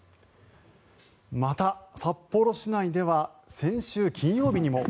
また札幌市内では先週金曜日にも。